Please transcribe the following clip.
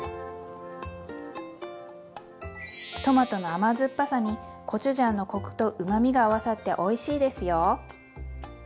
トマトの甘酸っぱさにコチュジャンのコクとうまみが合わさっておいしいですよ。